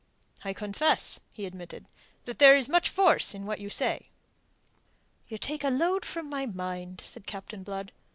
"I confess," he admitted, "that there is much force in what you say." "You take a load from my mind," said Captain Blood.